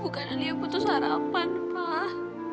bukan li aku putus harapan pak